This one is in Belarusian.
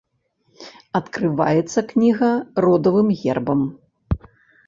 Адкрываецца кніга родавым гербам.